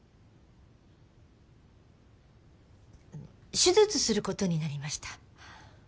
手術することになりました。